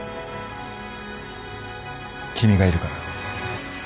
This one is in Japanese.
君がいるから。